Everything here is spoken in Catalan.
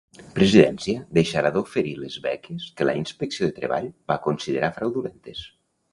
Presidència deixarà d'oferir les beques que la Inspecció de Treball va considerar fraudulentes.